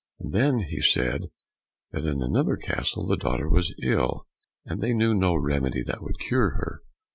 "And then he said that in another castle the daughter was ill, and they knew no remedy that would cure her."